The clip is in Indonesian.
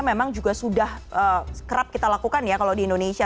memang juga sudah kerap kita lakukan ya kalau di indonesia